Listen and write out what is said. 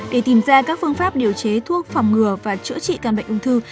để tìm ra các phương pháp điều chế thuốc phòng ngừa và chữa trị căn bệnh ung thư